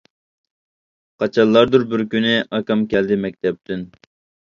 قاچانلاردۇر بىر كۈنى، ئاكام كەلدى مەكتەپتىن.